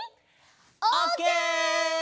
オッケー！